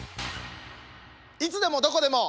「いつでもどこでも」。